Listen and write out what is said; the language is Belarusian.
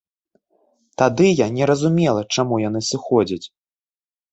Тады я не разумела, чаму яны сыходзяць.